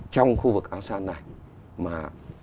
trong khu vực asean này mà